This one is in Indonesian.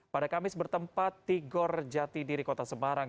pada kamis bertempat tiga rejati diri kota semarang